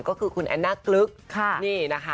ก็คือคุณแอนน่ากลึก